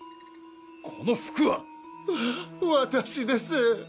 この服は！わ私です。